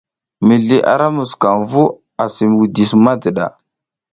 Mizliy ara musukam vu asi widis madiɗa.